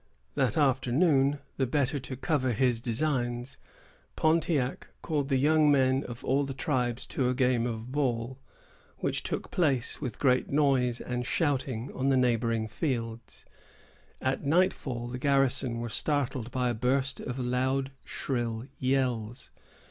That afternoon, the better to cover his designs, Pontiac called the young men of all the tribes to a game of ball, which took place, with great noise and shouting, on the neighboring fields. At nightfall, the garrison were startled by a burst of loud, shrill yells.